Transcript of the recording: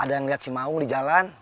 ada yang lihat si maung di jalan